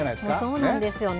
そうなんですよね。